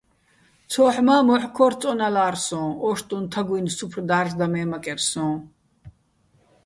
ცოჰ̦ მა́, მოჰ̦ ქორთო̆ წო́ნალარ სოჼ ოშტუჼ თაგუჲნი̆ სუფრ და́რჟდაჼ მე მაკერ სოჼ.